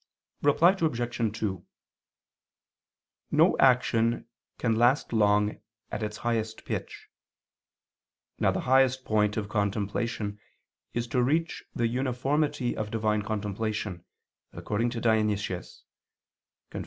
Reply Obj. 2: No action can last long at its highest pitch. Now the highest point of contemplation is to reach the uniformity of Divine contemplation, according to Dionysius [*Cf.